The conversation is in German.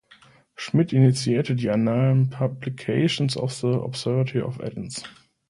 Schmidt initiierte die Annalen "Publications of the Observatory of Athens".